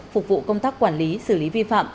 phục vụ công tác quản lý xử lý vi phạm